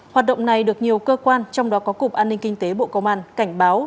hoạt động này được nhiều cơ quan trong đó có cục an ninh kinh tế bộ công an cảnh báo